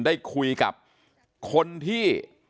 ได้คุยกับคนที่